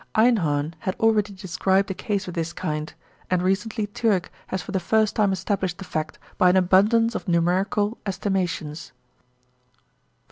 Einhorn had already described a case of this kind, and recently Türk has for the first time established the fact by an abundance of numerical estimations.